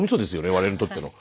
我々にとっての。